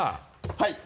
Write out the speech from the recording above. はい。